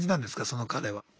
その彼は。